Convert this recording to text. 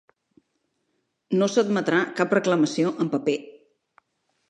No s'admetrà cap reclamació en paper.